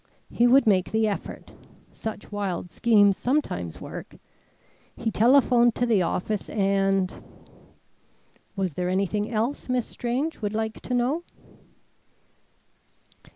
He would make the effort. Such wild schemes sometimes work. He telephoned to the office and Was there anything else Miss Strange would like to know?